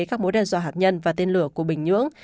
các mối đe dọa hạt nhân và tên lửa của bình nhưỡng